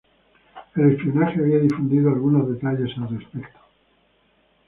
El espionaje había difundido algunos detalles al respecto.